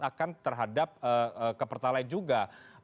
akan terhadap ke pertalite juga